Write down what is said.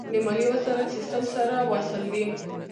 د مالیې وزارت سیستم سره وصل دی؟